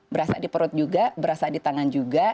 berasa di perut juga berasa di tangan juga